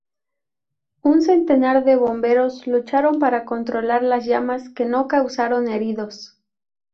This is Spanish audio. Un centenar de bomberos lucharon para controlar las llamas, que no causaron heridos.